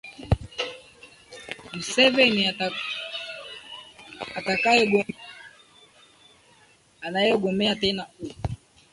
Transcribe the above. museveni atakaegombea te anayegombea tena u